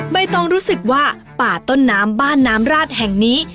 ใบตองรู้สึกว่าป่าต้นน้ำบ้านน้ำราดแห่งนี้